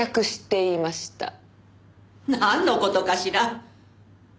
なんの事かしら？